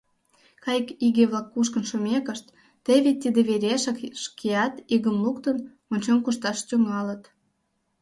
Кайык иге-влак кушкын шумекышт, теве тиде верешак шкеат игым луктын, ончен кушташ тӱҥалыт.